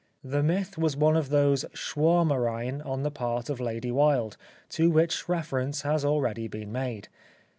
The myth was one of those Schwaermereien on the part of Lady Wilde^ to which reference has already been made.